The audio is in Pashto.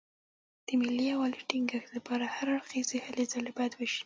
د ملي یووالي ټینګښت لپاره هر اړخیزې هلې ځلې باید وشي.